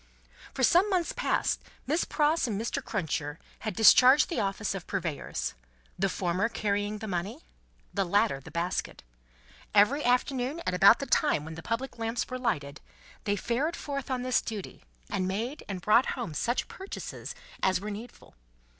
For some months past, Miss Pross and Mr. Cruncher had discharged the office of purveyors; the former carrying the money; the latter, the basket. Every afternoon at about the time when the public lamps were lighted, they fared forth on this duty, and made and brought home such purchases as were needful.